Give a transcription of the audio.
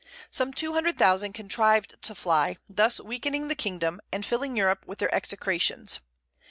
Some two hundred thousand contrived to fly, thus weakening the kingdom, and filling Europe with their execrations.